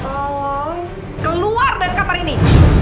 oh keluar dari kamar ini